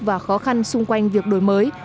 vấn đề và khó khăn xung quanh việc đổi mới